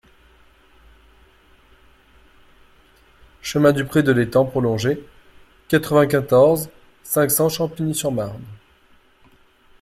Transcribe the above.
Chemin du Pré de l'Etang Prolongé, quatre-vingt-quatorze, cinq cents Champigny-sur-Marne